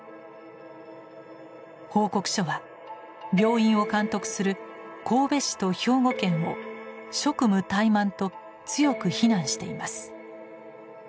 報告書は病院を監督する神戸市と兵庫県を「職務怠慢」と強く非難しています。